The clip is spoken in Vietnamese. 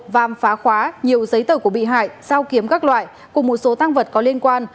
và phá khóa nhiều giấy tờ của bị hại sao kiếm các loại cùng một số tăng vật có liên quan